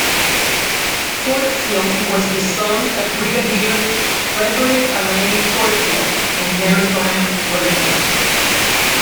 Corfield was the son of Brigadier Frederick Alleyne Corfield and Mary Graham Vernon.